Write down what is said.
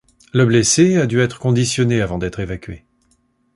Le blessé a du être conditionné avant d'être évacué.